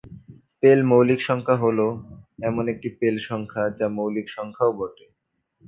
পেল মৌলিক সংখ্যা হলো এমন একটি পেল সংখ্যা, যা মৌলিক সংখ্যাও বটে।